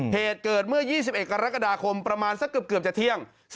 เหตุเกิดเมื่อ๒๑กรกฎาคมประมาณสักเกือบจะเที่ยง